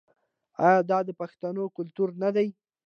آیا دا د پښتنو کلتور نه دی؟